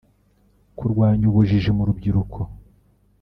kurwanya ubujiji mu rubyiruko